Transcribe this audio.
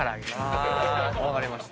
分かりました。